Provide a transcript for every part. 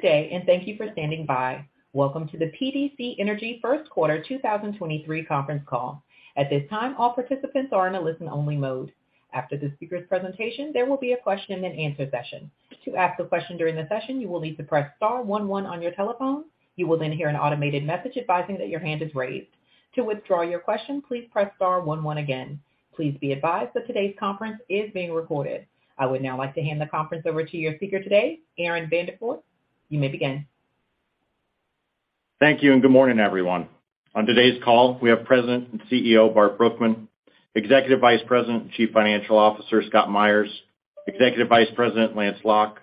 Good day, and thank you for standing by. Welcome to the PDC Energy First Quarter 2023 conference call. At this time, all participants are in a listen-only mode. After the speaker's presentation, there will be a question-and-answer session. To ask a question during the session, you will need to press star one one on your telephone. You will then hear an automated message advising that your hand is raised. To withdraw your question, please press star one one again. Please be advised that today's conference is being recorded. I would now like to hand the conference over to your speaker today, Aaron Vandeford. You may begin. Thank you. Good morning, everyone. On today's call, we have President and CEO, Bart Brookman, Executive Vice President and Chief Financial Officer, Scott Meyers, Executive Vice President, Lance Lauck,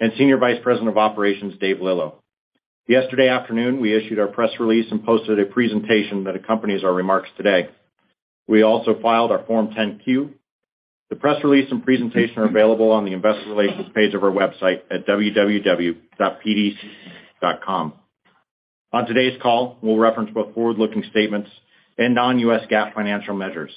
and Senior Vice President of Operations, Dave Lillo. Yesterday afternoon, we issued our press release and posted a presentation that accompanies our remarks today. We also filed our Form 10-Q. The press release and presentation are available on the investor relations page of our website at www.pdce.com. On today's call, we'll reference both forward-looking statements and non-U.S. GAAP financial measures.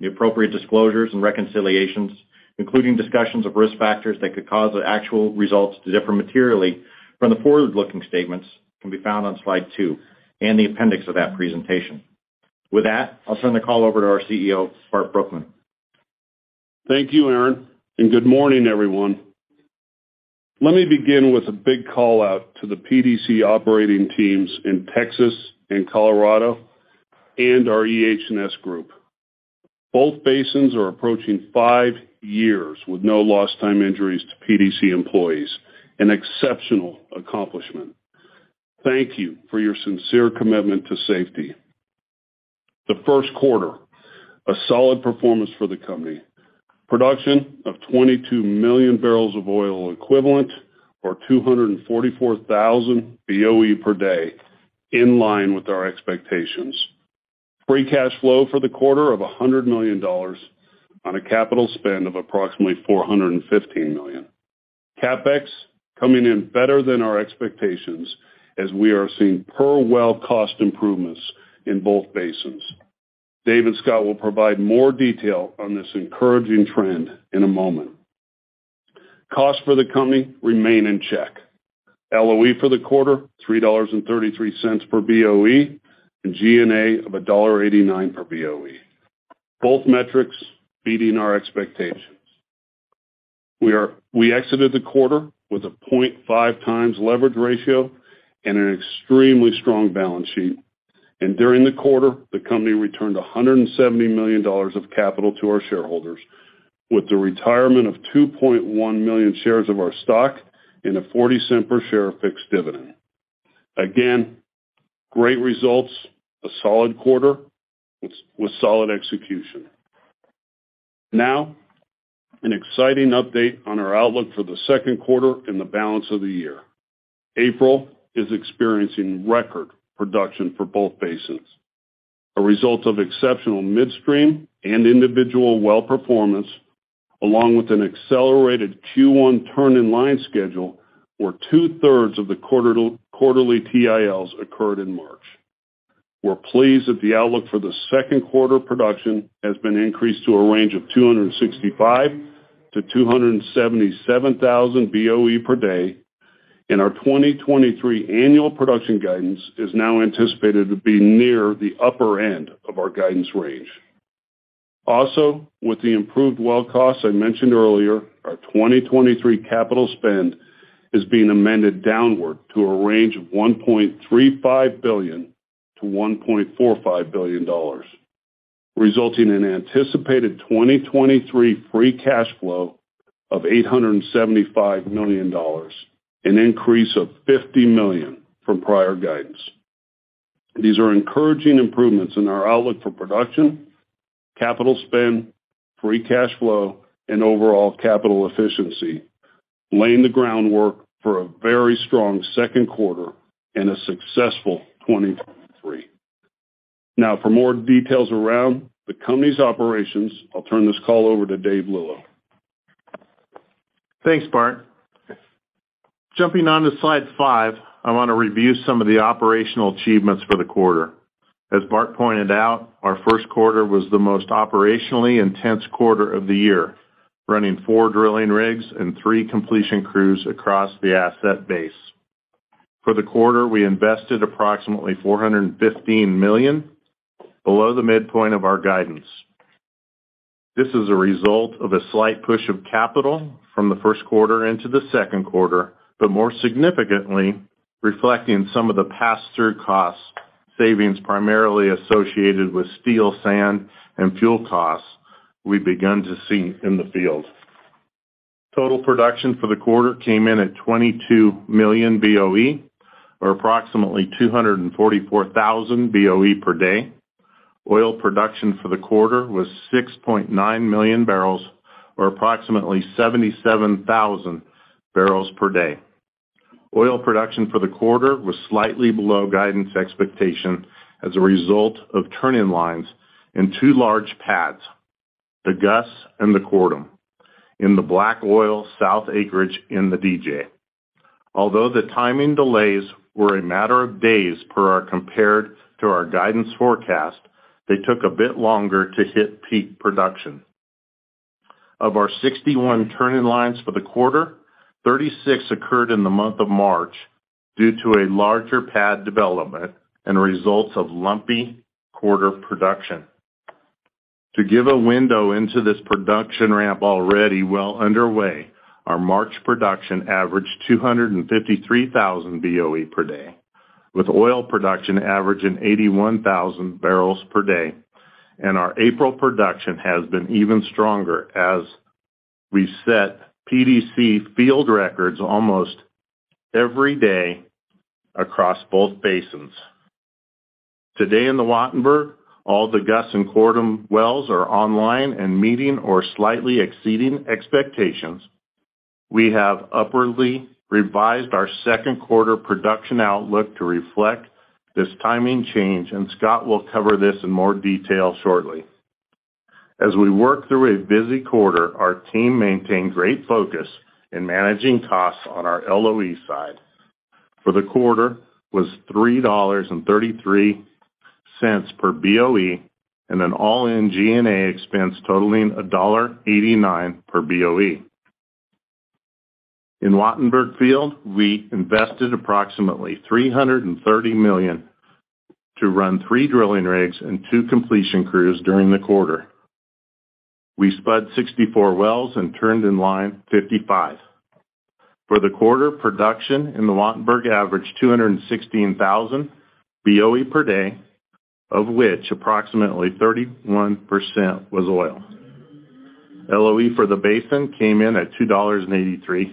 The appropriate disclosures and reconciliations, including discussions of risk factors that could cause the actual results to differ materially from the forward-looking statements, can be found on slide two and the appendix of that presentation. With that, I'll turn the call over to our CEO, Bart Brookman. Thank you, Aaron. Good morning, everyone. Let me begin with a big call-out to the PDC operating teams in Texas and Colorado and our EH&S group. Both basins are approaching five years with no lost time injuries to PDC employees, an exceptional accomplishment. Thank you for your sincere commitment to safety. The first quarter, a solid performance for the company. Production of 22 million barrels of oil equivalent or 244,000 BOE per day, in line with our expectations. Free cash flow for the quarter of $100 million on a capital spend of approximately $450 million. CapEx coming in better than our expectations as we are seeing per well cost improvements in both basins. Dave and Scott will provide more detail on this encouraging trend in a moment. Costs for the company remain in check. LOE for the quarter, $3.33 per BOE, and G&A of $1.89 per BOE. Both metrics beating our expectations. We exited the quarter with a 0.5x leverage ratio and an extremely strong balance sheet. During the quarter, the company returned $170 million of capital to our shareholders with the retirement of 2.1 million shares of our stock and a $0.40 per share of fixed dividend. Again, great results, a solid quarter with solid execution. Now, an exciting update on our outlook for the second quarter and the balance of the year. April is experiencing record production for both basins, a result of exceptional midstream and individual well performance, along with an accelerated Q1 turn-in-line schedule, where 2/3 of the quarterly TILs occurred in March. We're pleased that the outlook for the second quarter production has been increased to a range of 265,000-277,000 BOE per day, and our 2023 annual production guidance is now anticipated to be near the upper end of our guidance range. Also, with the improved well costs I mentioned earlier, our 2023 capital spend is being amended downward to a range of $1.35 billion-$1.45 billion, resulting in anticipated 2023 free cash flow of $875 million, an increase of $50 million from prior guidance. These are encouraging improvements in our outlook for production, capital spend, free cash flow, and overall capital efficiency, laying the groundwork for a very strong second quarter and a successful 2023. For more details around the company's operations, I'll turn this call over to Dave Lillo. Thanks, Bart. Jumping on to slide five, I want to review some of the operational achievements for the quarter. As Bart pointed out, our first quarter was the most operationally intense quarter of the year, running four drilling rigs and three completion crews across the asset base. For the quarter, we invested approximately $415 million, below the midpoint of our guidance. This is a result of a slight push of capital from the first quarter into the second quarter, but more significantly, reflecting some of the pass-through cost savings primarily associated with steel, sand, and fuel costs we've begun to see in the field. Total production for the quarter came in at 22 million BOE or approximately 244,000 BOE per day. Oil production for the quarter was 6.9 million barrels or approximately 77,000 barrels per day. Oil production for the quarter was slightly below guidance expectation as a result of turn-in-lines in two large pads, the Gus and the Kortum, in the Black Oil South acreage in the DJ. Although the timing delays were a matter of days compared to our guidance forecast, they took a bit longer to hit peak production. Of our 61 turning lines for the quarter, 36 turning lines occurred in the month of March due to a larger pad development and results of lumpy quarter production. To give a window into this production ramp already well underway, our March production averaged 253,000 BOE per day, with oil production averaging 81,000 barrels per day. Our April production has been even stronger as we set PDC field records almost every day across both basins. Today in the Wattenberg, all the Gus and Kortum wells are online and meeting or slightly exceeding expectations. We have upwardly revised our second quarter production outlook to reflect this timing change, and Scott will cover this in more detail shortly. As we work through a busy quarter, our team maintained great focus in managing costs on our LOE side. For the quarter was $3.33 per BOE and an all-in G&A expense totaling $1.89 per BOE. In Wattenberg Field, we invested approximately $330 million to run three drilling rigs and two completion crews during the quarter. We spudded 64 wells and turned in line 55 wells. For the quarter production in the Wattenberg average 216,000 BOE per day, of which approximately 31% was oil. LOE for the basin came in at $2.83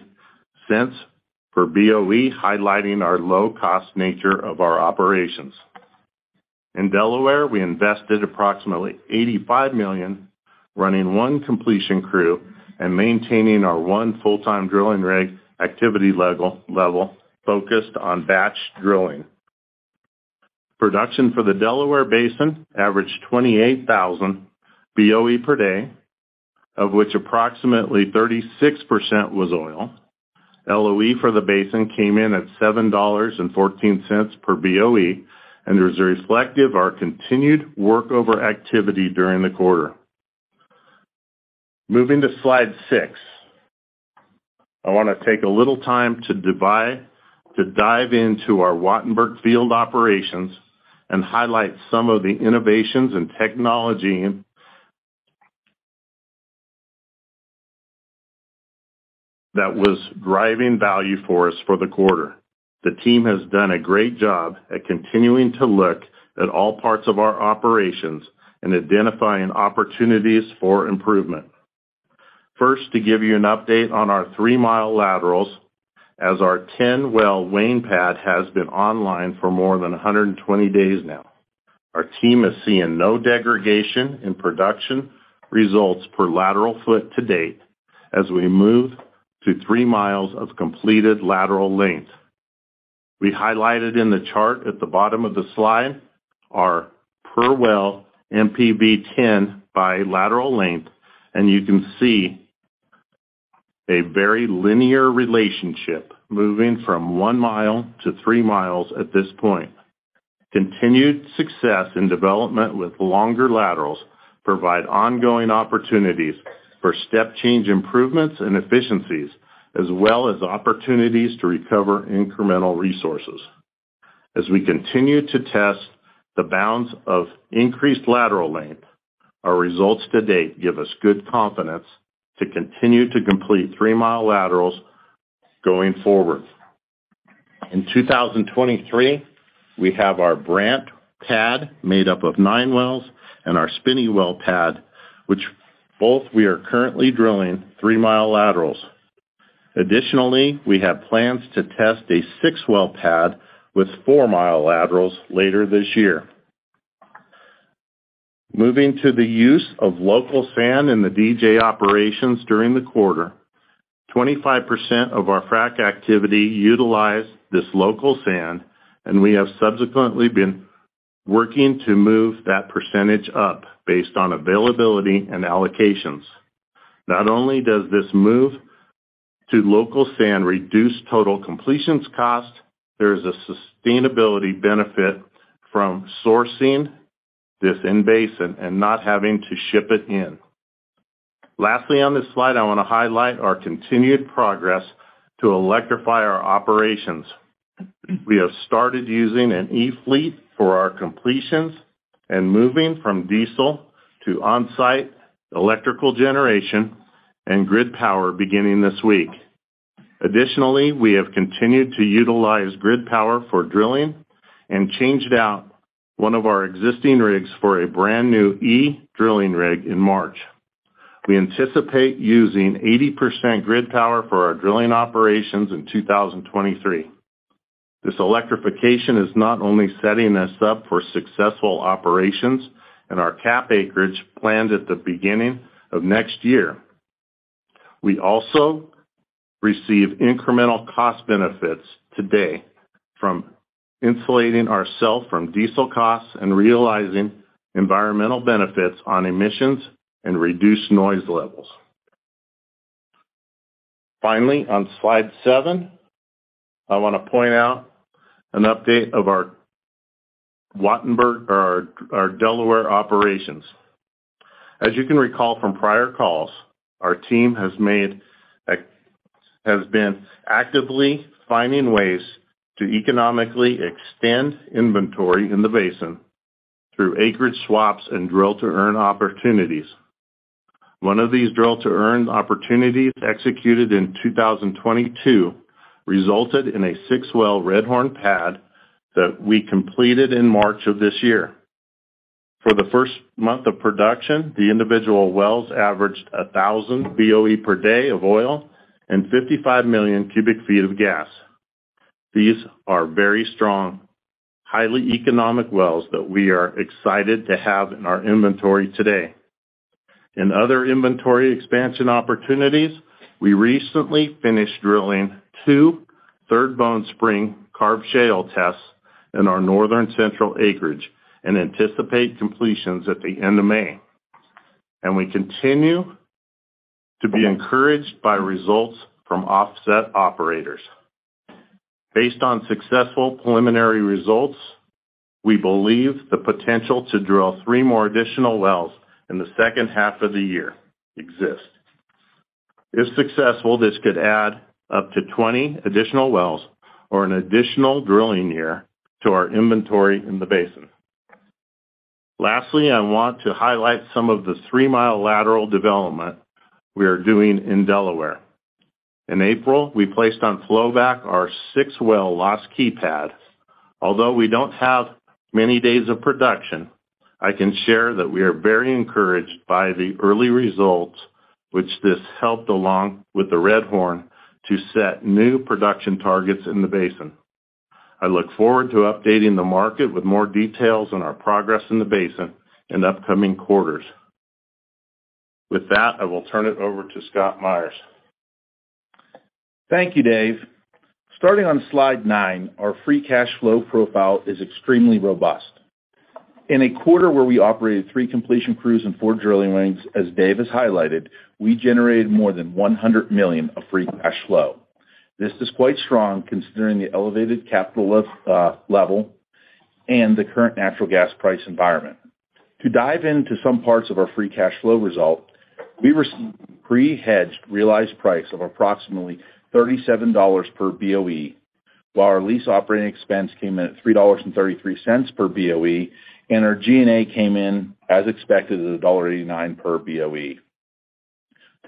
per BOE, highlighting our low-cost nature of our operations. In Delaware, we invested approximately $85 million, running 1 completion crew and maintaining our 1 full-time drilling rig activity level focused on batch drilling. Production for the Delaware Basin averaged 28,000 BOE per day, of which approximately 36% was oil. LOE for the basin came in at $7.14 per BOE. It was reflective of our continued workover activity during the quarter. Moving to slide six. I wanna take a little time to dive into our Wattenberg field operations and highlight some of the innovations in technology that was driving value for us for the quarter. The team has done a great job at continuing to look at all parts of our operations and identifying opportunities for improvement. First, to give you an update on our 3-mile laterals as our 10-well Wayne pad has been online for more than 120 days now. Our team is seeing no degradation in production results per lateral foot to date as we move to 3 miles of completed lateral length. We highlighted in the chart at the bottom of the slide our per well NPV-10 by lateral length, you can see a very linear relationship moving from 1 mile to 3 miles at this point. Continued success in development with longer laterals provide ongoing opportunities for step change improvements and efficiencies, as well as opportunities to recover incremental resources. As we continue to test the bounds of increased lateral length, our results to date give us good confidence to continue to complete 3-mile laterals going forward. In 2023, we have our Brant pad made up of nine wells and our Spinney well pad, which both we are currently drilling 3-mile laterals. Additionally, we have plans to test a 6-well pad with 4-mile laterals later this year. Moving to the use of local sand in the DJ operations during the quarter. 25% of our frack activity utilized this local sand, and we have subsequently been working to move that percentage up based on availability and allocations. Not only does this move to local sand reduce total completions cost, there is a sustainability benefit from sourcing this in-basin and not having to ship it in. Lastly, on this slide, I wanna highlight our continued progress to electrify our operations. We have started using an e-fleet for our completions and moving from diesel to on-site electrical generation and grid power beginning this week. We have continued to utilize grid power for drilling and changed out one of our existing rigs for a brand-new e-drilling rig in March. We anticipate using 80% grid power for our drilling operations in 2023. This electrification is not only setting us up for successful operations in our CAP acreage planned at the beginning of next year. We also receive incremental cost benefits today from insulating ourselves from diesel costs and realizing environmental benefits on emissions and reduced noise levels. On slide seven, I wanna point out an update of our Wattenberg or our Delaware operations. As you can recall from prior calls, our team has been actively finding ways to economically extend inventory in the basin through acreage swaps and drill-to-earn opportunities. One of these drill-to-earn opportunities executed in 2022 resulted in a six-well Redhorn pad that we completed in March of this year. For the first month of production, the individual wells averaged 1,000 BOE per day of oil and 55 million cubic feet of gas. These are very strong, highly economic wells that we are excited to have in our inventory today. In other inventory expansion opportunities, we recently finished drilling two Third Bone Spring carbonate/shale tests in our northern central acreage and anticipate completions at the end of May. We continue to be encouraged by results from offset operators. Based on successful preliminary results, we believe the potential to drill three more additional wells in the second half of the year exist. If successful, this could add up to 20 additional wells or an additional drilling year to our inventory in the basin. Lastly, I want to highlight some of the three-mile lateral development we are doing in Delaware. In April, we placed on flowback our six well Lost Creek pads. Although we don't have many days of production, I can share that we are very encouraged by the early results which this helped along with the Redhorn to set new production targets in the basin. I look forward to updating the market with more details on our progress in the basin in upcoming quarters. With that, I will turn it over to Scott Meyers. Thank you, Dave. Starting on slide nine, our free cash flow profile is extremely robust. In a quarter where we operated three completion crews and four drilling rigs, as Dave has highlighted, we generated more than $100 million of free cash flow. This is quite strong considering the elevated capital of level and the current natural gas price environment. To dive into some parts of our free cash flow result, we received pre-hedged realized price of approximately $37 per BOE, while our lease operating expense came in at $3.33 per BOE, and our G&A came in as expected at $1.89 per BOE.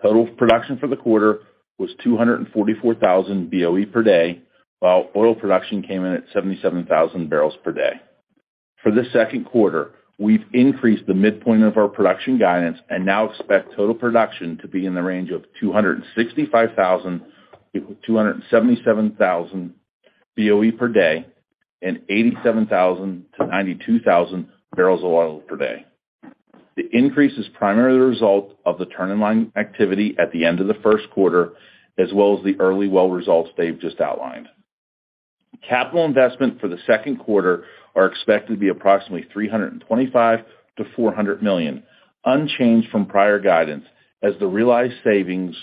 Total production for the quarter was 244,000 BOE per day, while oil production came in at 77,000 barrels per day. For this second quarter, we've increased the midpoint of our production guidance and now expect total production to be in the range of 265,000-277,000 BOE per day and 87,000-92,000 barrels of oil per day. The increase is primarily the result of the turn-in-line activity at the end of the first quarter, as well as the early well results Dave just outlined. Capital investment for the second quarter are expected to be approximately $325 million-$400 million, unchanged from prior guidance, as the realized savings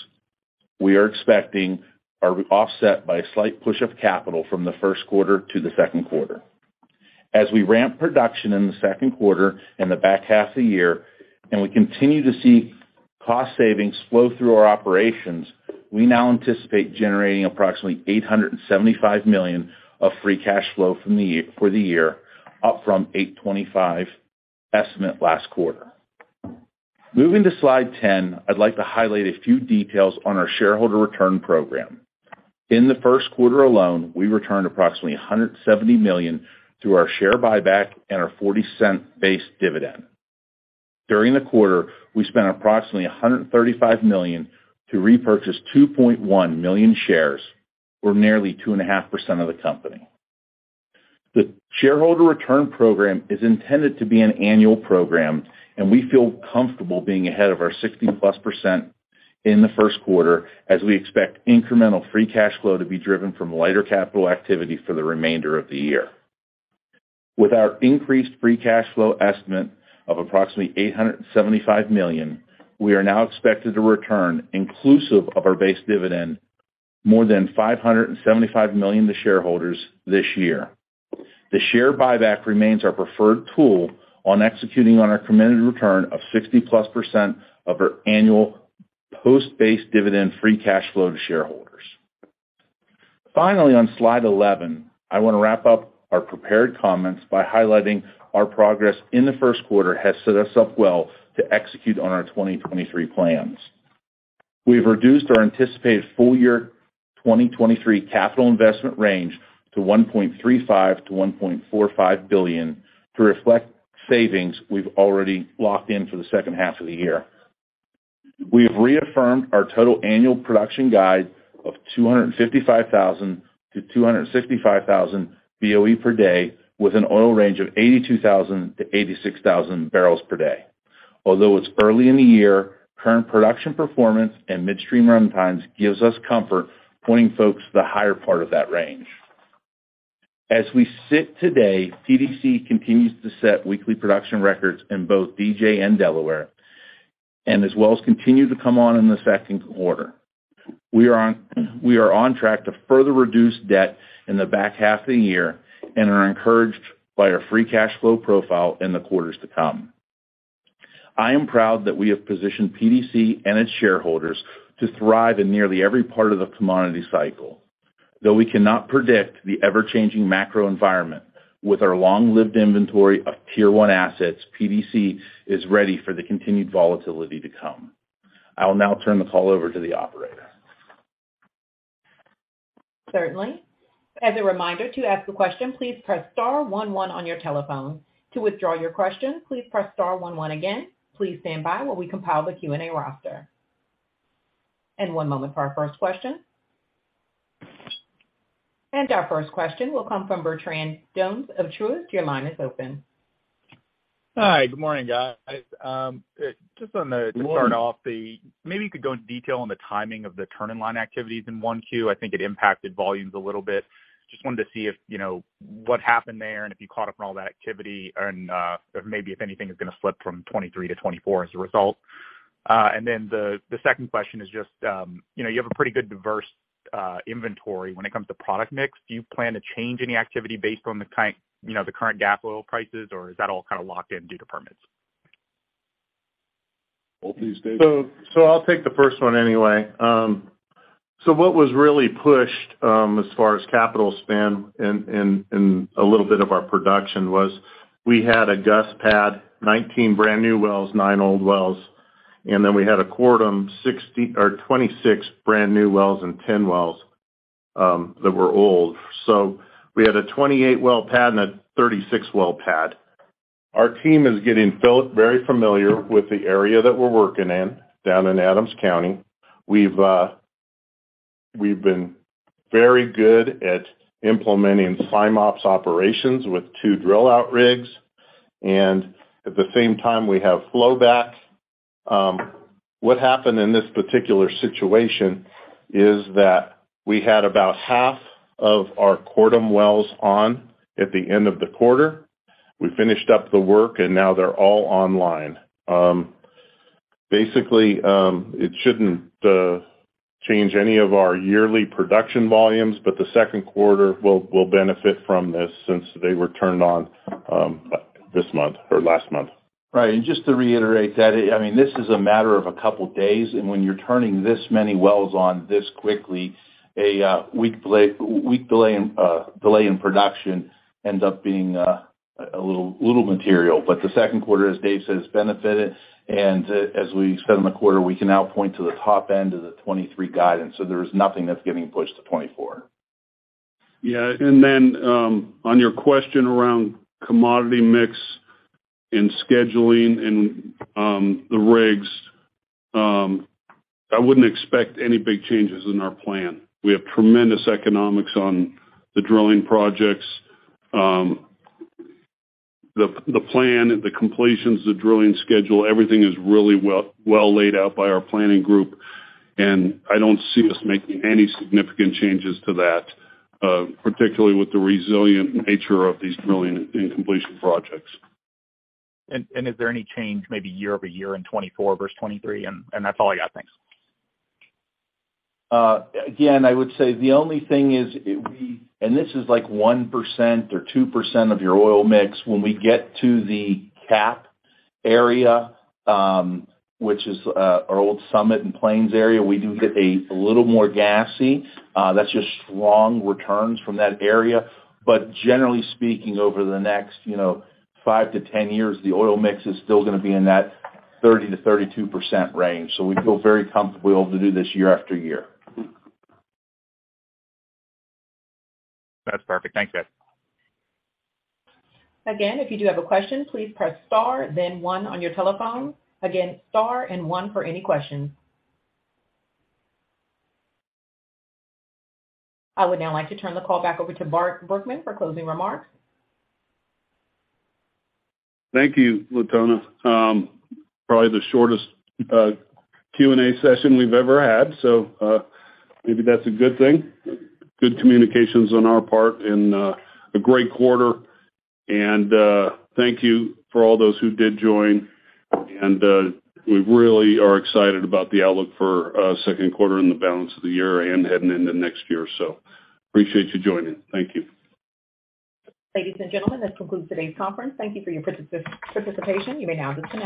we are expecting are offset by a slight push of capital from the first quarter to the second quarter. We ramp production in the second quarter and the back half of the year, we continue to see cost savings flow through our operations, we now anticipate generating approximately $875 million of free cash flow for the year, up from $825 estimate last quarter. Moving to Slide 10, I'd like to highlight a few details on our shareholder return program. In the 1st quarter alone, we returned approximately $170 million through our share buyback and our $0.40 base dividend. During the quarter, we spent approximately $135 million to repurchase 2.1 million shares, or nearly 2.5% of the company. The shareholder return program is intended to be an annual program, and we feel comfortable being ahead of our 60%+ in the first quarter as we expect incremental free cash flow to be driven from lighter capital activity for the remainder of the year. With our increased free cash flow estimate of approximately $875 million, we are now expected to return inclusive of our base dividend more than $575 million to shareholders this year. The share buyback remains our preferred tool on executing on our committed return of 60%+ of our annual post base dividend free cash flow to shareholders. Finally, on slide 11, I wanna wrap up our prepared comments by highlighting our progress in the first quarter has set us up well to execute on our 2023 plans. We've reduced our anticipated full year 2023 capital investment range to $1.35 billion-$1.45 billion to reflect savings we've already locked in for the second half of the year. We have reaffirmed our total annual production guide of 255,000-265,000 BOE per day with an oil range of 82,000-86,000 barrels per day. Although it's early in the year, current production performance and midstream run times gives us comfort pointing folks to the higher part of that range. As we sit today, PDC continues to set weekly production records in both DJ and Delaware. As wells continue to come on in the second quarter, we are on track to further reduce debt in the back half of the year and are encouraged by our free cash flow profile in the quarters to come. I am proud that we have positioned PDC and its shareholders to thrive in nearly every part of the commodity cycle. Though we cannot predict the ever-changing macro environment, with our long-lived inventory of Tier 1 assets, PDC is ready for the continued volatility to come. I will now turn the call over to the operator. Certainly. As a reminder, to ask a question, please press star one one on your telephone. To withdraw your question, please press star one one again. Please stand by while we compile the Q&A roster. One moment for our first question. Our first question will come from Neal Dingmann of Truist. Your line is open. Hi, good morning, guys. Good morning. ...to start off the, maybe you could go in detail on the timing of the turn-in-line activities in 1Q. I think it impacted volumes a little bit. Just wanted to see if, you know, what happened there and if you caught up on all that activity and, if maybe if anything is gonna slip from 2023 to 2024 as a result. The, the second question is just, you know, you have a pretty good diverse inventory when it comes to product mix. Do you plan to change any activity based on the kind, you know, the current gas oil prices, or is that all kinda locked in due to permits? Well, please, Dave. I'll take the first one anyway. What was really pushed as far as capital spend and a little bit of our production was we had a Gus pad, 19 brand new wells, 9 old wells, and then we had a Kortum, 26 brand new wells and 10 wells that were old. We had a 28 well pad and a 36 well pad. Our team is getting very familiar with the area that we're working in, down in Adams County. We've been very good at implementing sim ops operations with two drill out rigs. At the same time, we have flow back. What happened in this particular situation is that we had about half of our Kortum wells on at the end of the quarter. We finished up the work, and now they're all online. Basically, it shouldn't change any of our yearly production volumes, but the second quarter will benefit from this since they were turned on, this month or last month. Right. Just to reiterate that, I mean, this is a matter of a couple days, and when you're turning this many wells on this quickly, a week delay in production ends up being a little material. The second quarter, as Dave said, it's benefited. As we spend the quarter, we can now point to the top end of the 23 guidance. There's nothing that's getting pushed to 24. Yeah. On your question around commodity mix and scheduling and, the rigs, I wouldn't expect any big changes in our plan. We have tremendous economics on the drilling projects. The plan, the completions, the drilling schedule, everything is really well laid out by our planning group, and I don't see us making any significant changes to that, particularly with the resilient nature of these drilling and completion projects. Is there any change maybe year-over-year in 2024 versus 2023? That's all I got. Thanks. Again, I would say the only thing is we and this is like 1% or 2% of your oil mix. When we get to the CAP acreage, which is our old Summit and Plains area, we do get a little more gassy. That's just strong returns from that area. Generally speaking, over the next, you know, 5 years-10 years, the oil mix is still gonna be in that 30%-32% range. We feel very comfortable to do this year after year. That's perfect. Thanks, guys. Again, if you do have a question, please press star then one on your telephone. Again, star and one for any questions. I would now like to turn the call back over to Bart Brookman for closing remarks. Thank you, Latona. Probably the shortest Q&A session we've ever had, so maybe that's a good thing. Good communications on our part and a great quarter. Thank you for all those who did join. We really are excited about the outlook for second quarter and the balance of the year and heading into next year. Appreciate you joining. Thank you. Ladies and gentlemen, this concludes today's conference. Thank you for your participation. You may now disconnect.